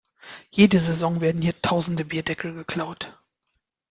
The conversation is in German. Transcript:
Jede Saison werden hier tausende Bierdeckel geklaut.